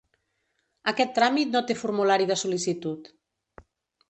Aquest tràmit no té formulari de sol·licitud.